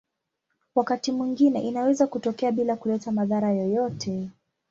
Wakati mwingine inaweza kutokea bila kuleta madhara yoyote.